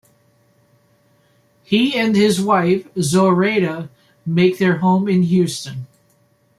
He and his wife, Zoraida, make their home in Houston.